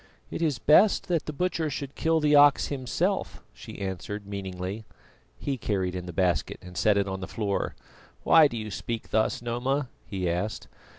"It is best that the butcher should kill the ox himself," she answered meaningly. He carried in the basket and set it on the floor. "Why do you speak thus, Noma?" he asked.